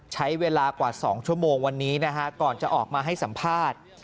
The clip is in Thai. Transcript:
ใช้เวลากว่า๒ชั่วโมงวันนี้นะฮะก่อนจะออกมาให้สัมภาษณ์